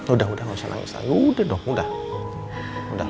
udah udah gausah nangis lagi udah dong udah